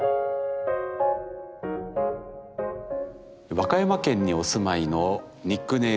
和歌山県にお住まいのニックネーム